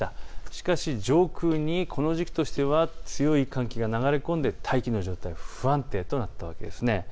しかし上空にこの時期としては強い寒気が流れ込んで大気の状態が不安定となったわけです。